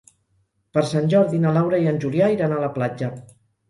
Per Sant Jordi na Laura i en Julià iran a la platja.